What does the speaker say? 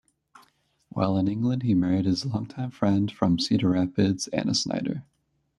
While in England he married his long-time friend from Cedar Rapids, Anna Snyder.